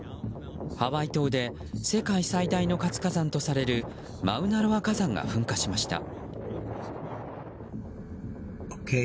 ハワイ島で世界最大の活火山とされるマウナロア火山が噴火しました。